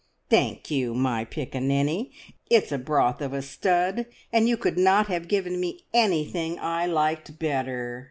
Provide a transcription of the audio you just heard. Thank you, my piccaninny. It's a broth of a stud, and you could not have given me anything I liked better."